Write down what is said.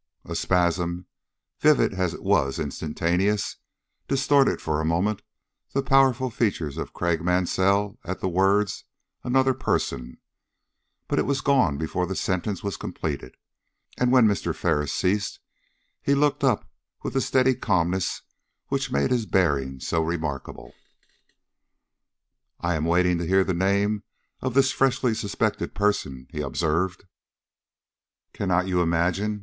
A spasm, vivid as it was instantaneous, distorted for a moment the powerful features of Craik Mansell at the words, "another person," but it was gone before the sentence was completed; and when Mr. Ferris ceased, he looked up with the steady calmness which made his bearing so remarkable. "I am waiting to hear the name of this freshly suspected person," he observed. "Cannot you imagine?"